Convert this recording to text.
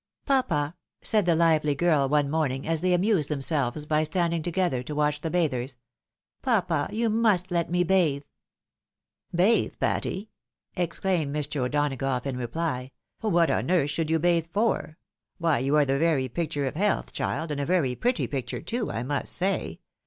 " Papa," said the lively girl one morning, as they amused themselves by standing together to watch the bathers, " Papa, you must let me bathe !"" Bathe, Patty ?" exclaimed Mr. O'Donagough in reply ;" what on earth should you bathe for ? Why you are the very picture of health, child, and a very pretty picture too, I must say.